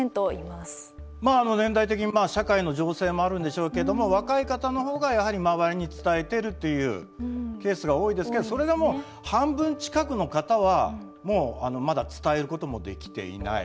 まあ年代的に社会の情勢もあるんでしょうけども若い方のほうがやはり周りに伝えているというケースが多いですけどそれでも半分近くの方はまだ伝えることもできていない。